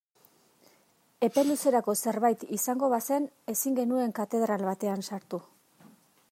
Epe luzerako zerbait izango bazen ezin genuen katedral batean sartu.